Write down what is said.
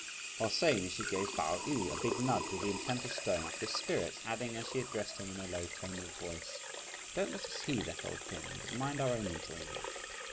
While saying this, she gave Pao yü a big nudge with the intent of stirring up his spirits, adding, as she addressed him in a low tone of voice: "Don't let us heed that old thing, but mind our own enjoyment."